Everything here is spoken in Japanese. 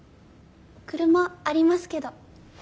車ありますけど。